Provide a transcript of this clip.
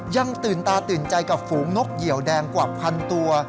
ยังตื่นตาตื่นใจกับฝูงนกเหี่ยวแดงกว่าพันตัว